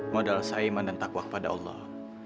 modal saiman dan takwa kepada allah